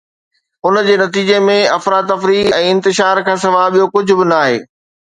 ان جي نتيجي ۾ افراتفري ۽ انتشار کانسواءِ ٻيو ڪجهه به ناهي